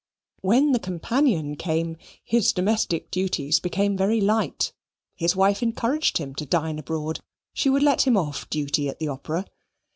When the companion came, his domestic duties became very light. His wife encouraged him to dine abroad: she would let him off duty at the opera.